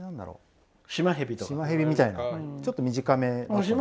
シマヘビみたいなちょっと短めの。